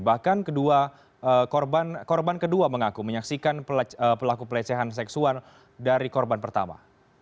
bahkan kedua korban kedua mengaku menyaksikan pelaku pelecehan seksual dari korban pertama